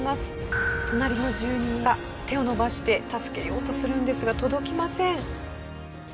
隣の住民が手を伸ばして助けようとするんですが届きません。